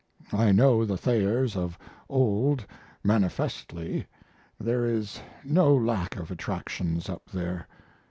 I know the Thayers of old manifestly there is no lack of attractions up there.